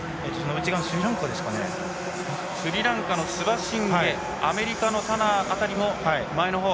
スリランカのスバシンゲアメリカのタナー辺りも前のほう。